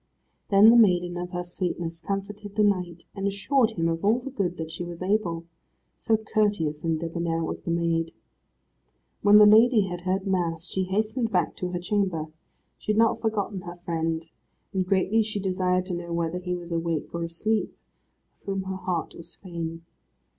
Then the maiden of her sweetness comforted the knight, and assured him of all the good that she was able. So courteous and debonair was the maid. When the lady had heard Mass, she hastened back to the chamber. She had not forgotten her friend, and greatly she desired to know whether he was awake or asleep, of whom her heart was fain.